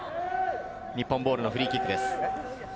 日本ボールのフリーキックです。